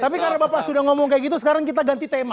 tapi karena bapak sudah ngomong kayak gitu sekarang kita ganti tema